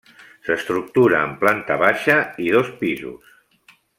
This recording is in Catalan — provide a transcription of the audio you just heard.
S'estructura en planta baixa i dos pisos.